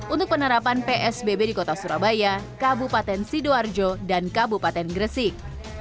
untuk penerapan psbb di kota surabaya kabupaten sidoarjo dan kabupaten gresik